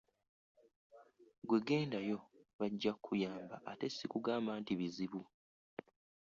Gwe gendayo bajja kukuyamba ate sikugamba nti bizibu.